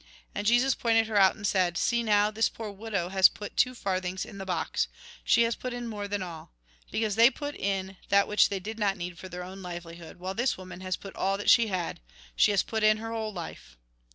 And Jesus pointed her out, and said :" See, now, this poor widow has put two farthings in the box. She has put in more than all. Because they put in that which they did not need for their own 88 THE GOSPEL IN BRIEF livelihood, while this woman has put all that she had ; she has put in her whole life."